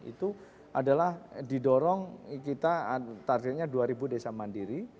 itu adalah didorong kita targetnya dua ribu desa mandiri